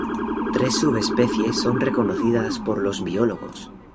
Tres subespecies son reconocidas por los biólogos.